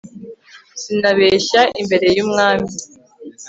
Sinabeshya imbere yUmwami